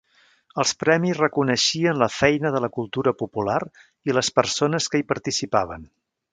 Els premis reconeixien la feina de la cultura popular i les persones que hi participaven.